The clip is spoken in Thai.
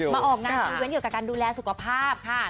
ออกงานอีเวนต์เกี่ยวกับการดูแลสุขภาพค่ะ